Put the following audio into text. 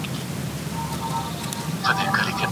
څېړونکی د نوي پوښتني ځواب لټوي.